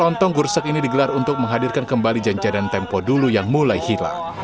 lontong gursak ini digelar untuk menghadirkan kembali jajanan tempo dulu yang mulai hilang